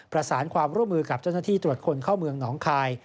ประสานความร่วมมือกับเจ้าหน้าที่ตรวจคนเข้าเมืองหนองคาย